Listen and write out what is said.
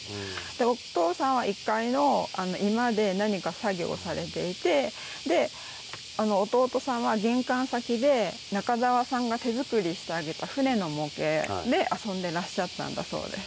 お父さんは１階の居間で何か作業をされていて弟さんは玄関先で中沢さんが手作りしてあげた船の模型で遊んでらっしゃったんだそうです。